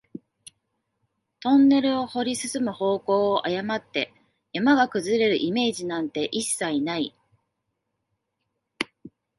トンネルを掘り進む方向を誤って、山が崩れるイメージなんて一切ない